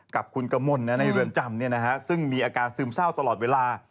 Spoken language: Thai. กับคุณกมลในเรือนจำซึ่งมีอาการซึมเศร้าตลอดเวลา